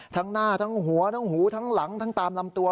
ทั้งหน้าทั้งหัวทั้งหูทั้งหลังทั้งตามลำตัว